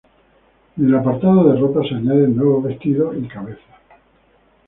En el apartado de ropas, se añaden nuevos vestidos y cabezas.